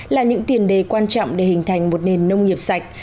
là những tiền đề quan trọng để hình thành một nền nông nghiệp sạch